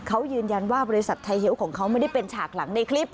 เขายืนยันว่าบริษัทไทยเฮลของเขาไม่ได้เป็นฉากหลังในคลิป